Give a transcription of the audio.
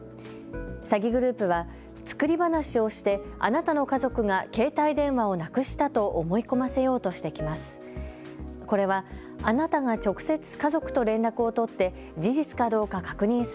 詐欺グループは作り話をしてあなたの家族が携帯電話をなくしたと思い込ませようとしてきます。